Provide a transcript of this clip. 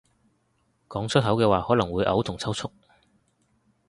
講出口嘅話可能會嘔同抽搐